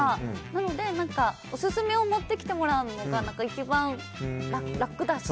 なので、オススメを持ってきてもらうのが一番楽だし。